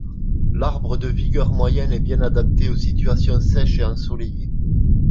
L'arbre de vigueur moyenne est bien adapté aux situations sèches et ensoleillées.